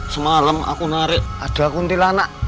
semalam aku narik ada kuntilanak